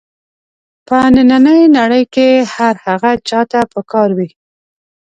په نننۍ نړۍ کې هر هغه چا ته په کار وي.